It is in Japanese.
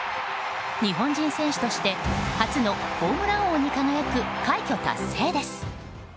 日本人選手として初のホームラン王に輝く快挙達成です。